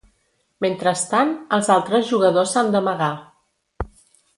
Mentrestant, els altres jugadors s'han d'amagar.